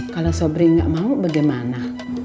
kalau sobri nggak mau bagaimana